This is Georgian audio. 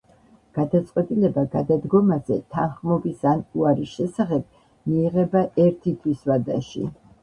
გადაწყვეტილება გადადგომაზე თანხმობის ან უარის შესახებ მიიღება ერთი თვის ვადაში.